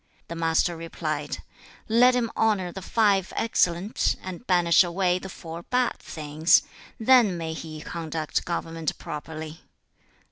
The Master replied, 'Let him honour the five excellent, and banish away the four bad, things; then may he conduct government properly.'